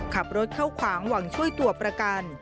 ขับรถเข้าขวางหวังช่วยตัวประกัน